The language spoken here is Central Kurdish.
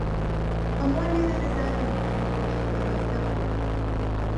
هەمووان لێرە دەزانن ئێمە گۆشتی بەراز ناخۆین.